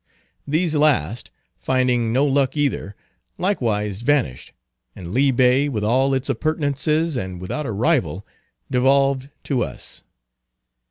These last, finding no luck either, likewise vanished; and Lee Bay, with all its appurtenances, and without a rival, devolved to us.